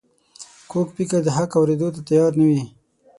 کوږ فکر د حق اورېدو ته تیار نه وي